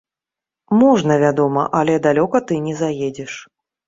Можна, вядома, але далёка ты не заедзеш.